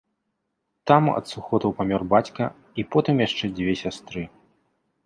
Там ад сухотаў памёр бацька і потым яшчэ дзве сястры.